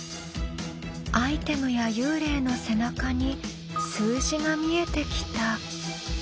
アイテムや幽霊の背中に数字が見えてきた。